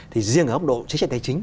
thì riêng ở góc độ chiến trích tài chính